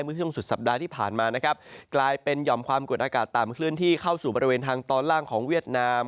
เมื่อช่วงสุดสัปดาห์ที่ผ่านมานะครับกลายเป็นหย่อมความกดอากาศต่ำเคลื่อนที่เข้าสู่บริเวณทางตอนล่างของเวียดนาม